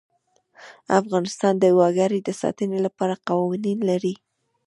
افغانستان د وګړي د ساتنې لپاره قوانین لري.